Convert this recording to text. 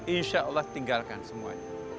insya allah tinggalkan semuanya